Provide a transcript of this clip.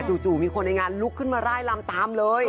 มีคนในงานลุกขึ้นมาร่ายลำตามเลย